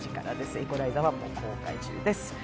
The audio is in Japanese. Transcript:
「イコライザー」はもう公開中です。